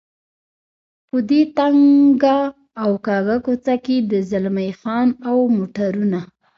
په دې تنګه او کږه کوڅه کې د زلمی خان او موټرونه.